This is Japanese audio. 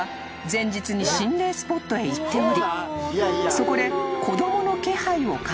［そこで］